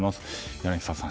柳澤さん